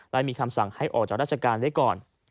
และมีคำสั่งให้ออกจากราชการไว้ก่อน